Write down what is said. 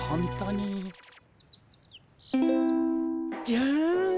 じゃん。